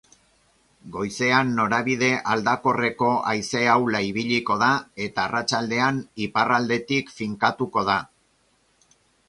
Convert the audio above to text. Goizean norabide aldakorreko haize ahula ibiliko da eta arratsaldean iparraldetik finkatuko da.